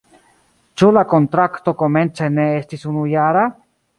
Ĉu la kontrakto komence ne estis unujara?